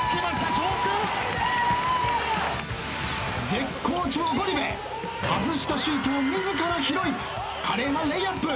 絶好調ゴリ部外したシュートを自ら拾い華麗なレイアップ。